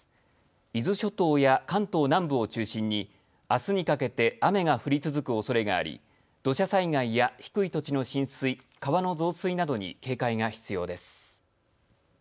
伊豆諸島や関東南部を中心にあすにかけて雨が降り続くおそれがあり、土砂災害や低い土地の浸水、川の増水などに警戒が必要です。